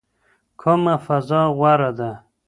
کومه فضا غوره ده؟